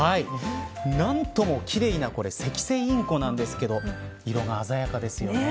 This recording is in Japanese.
何とも奇麗なセキセイインコなんですが色が鮮やかですよね。